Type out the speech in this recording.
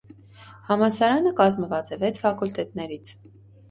Համալսարանը կազմված է վեց ֆակուլտետներից։